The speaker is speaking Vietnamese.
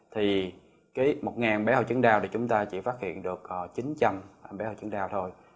thì cái một em bé hội chứng đau thì chúng ta chỉ phát hiện được chín trăm linh em bé hội chứng đau thôi